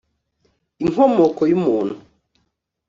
Inkomoko yumuntu